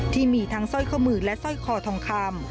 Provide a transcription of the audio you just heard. ที่มีทั้งสร้อยข้อมือและสร้อยคอทองคำ